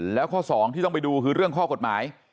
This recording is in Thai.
แล้วข้อสองที่ต้องไปดูคือเรื่องข้อกฎหมาย